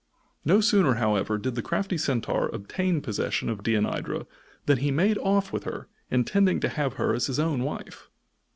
No sooner, however, did the crafty Centaur obtain possession of Deianira than he made off with her, intending to have her as his own wife.